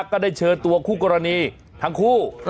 ก็ได้เชิญตัวคู่กรณีทั้งคู่